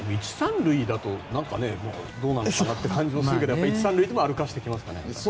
１、３塁だとどうなのかなって感じもするけどそれでも歩かせてきますよね。